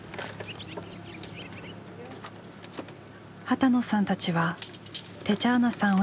波多野さんたちはテチャーナさん